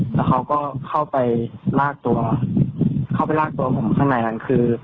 แล้วเขาก็เข้าไปลากตัวเข้าไปลากตัวผมข้างในนั้นคือ